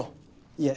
いえ。